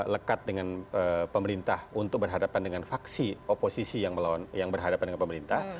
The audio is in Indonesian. lekat dengan pemerintah untuk berhadapan dengan faksi oposisi yang berhadapan dengan pemerintah